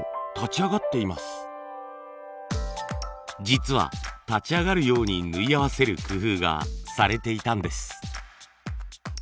実は立ち上がるように縫い合わせる工夫がされていたんです。